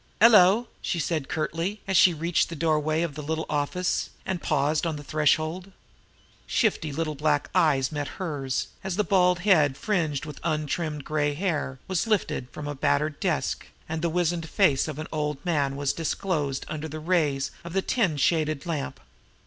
"'Ello!" she said curtly, as she reached the doorway of the little office, and paused on the threshold. Shifty little black eyes met hers, as the bald head fringed with untrimmed gray hair, was lifted from a battered desk, and the wizened face of an old man was disclosed under the rays of the tin shaded lamp.